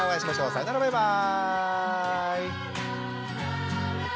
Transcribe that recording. さよならバイバーイ！